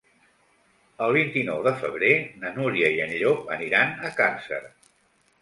El vint-i-nou de febrer na Núria i en Llop aniran a Càrcer.